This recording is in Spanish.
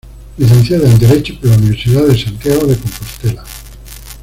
Licenciada en derecho por la Universidad de Santiago de Compostela.